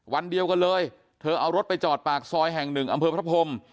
วันเดียวกันเลยเธอเอารถไปจอดปากซอยแห่งหนึ่งอำเภอพระพรม